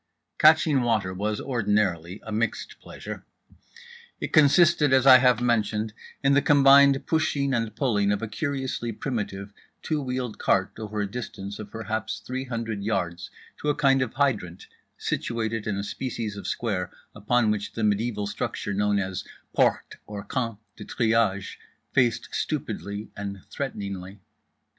"Catching water" was ordinarily a mixed pleasure. It consisted, as I have mentioned, in the combined pushing and pulling of a curiously primitive two wheeled cart over a distance of perhaps three hundred yards to a kind of hydrant situated in a species of square upon which the mediaeval structure known as Porte (or Camp) de Triage faced stupidly and threateningly.